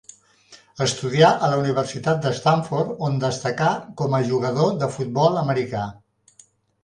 Estudià a la Universitat de Stanford, on destacà com a jugador de futbol americà.